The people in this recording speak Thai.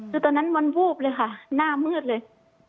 คือตอนนั้นมันวูบเลยค่ะหน้ามืดเลย